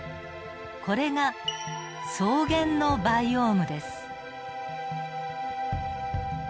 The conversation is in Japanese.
これが草原のバイオームです。